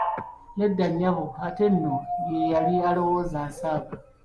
Nedda nyabo, ate nno ye yali alowooza nsaaga.